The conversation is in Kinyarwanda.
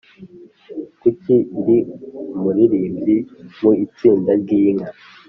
kuki ndi umuririmbyi mu itsinda ryinka